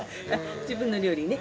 自分の料理ね？